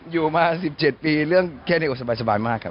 อยู่มา๑๗ปีเรื่องแค่นี้ก็สบายมากครับ